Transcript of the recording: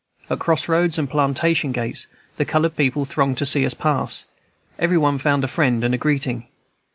At cross roads and plantation gates the colored people thronged to see us pass; every one found a friend and a greeting.